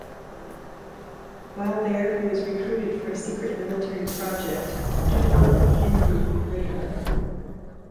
While there he was recruited for a secret military project to develop improved radar.